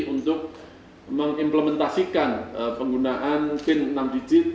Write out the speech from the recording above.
untuk mengimplementasikan penggunaan pin enam digit